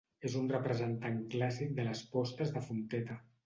És un representant clàssic de les postres de Fonteta.